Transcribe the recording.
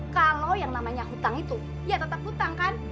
kalau yang namanya hutang itu ya tetap hutang kan